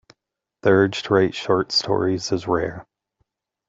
The urge to write short stories is rare.